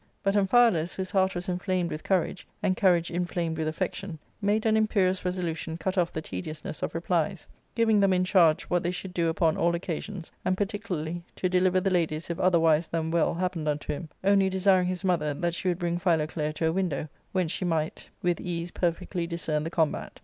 But Amphialus, whose heart was inflamed with courage, and courage inflamed with affection, made an imperious resolution cut off the tediousness of replies, giving them in charge what they should do upon all occasions, and particularly to deliver the ladies if otherwise than well happened unto him ; only desiring his nwther that she would bring Philoclea to a window, whence she might with ease u 290 ARCADIA.— Book IIL perfectly discern the combat.